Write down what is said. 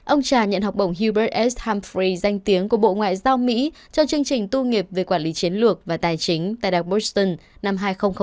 ông trà nhận học bổng hubert s humphrey danh tiếng của bộ ngoại giao mỹ trong chương trình tu nghiệp về quản lý chiến lược và tài chính tại đại học boston năm hai nghìn ba